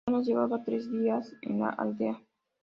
Apenas llevaba tres días en la aldea.